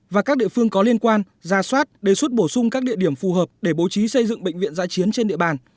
và các địa phương có liên quan ra soát đề xuất bổ sung các địa điểm phù hợp để bố trí xây dựng bệnh viện giã chiến trên địa bàn